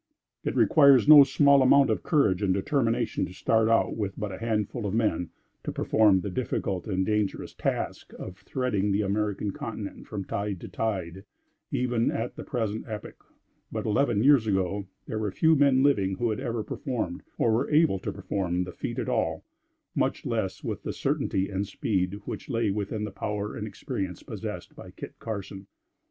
It requires no small amount of courage and determination to start out with but a handful of men to perform the difficult and dangerous task of threading the American continent from tide to tide, even at the present epoch; but, eleven years ago, there were few men living who had ever performed, or were able to perform the feat at all; much less with the certainty and speed which lay within the power and experience possessed by Kit Carson.